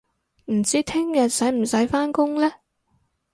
唔知聽日使唔使返工呢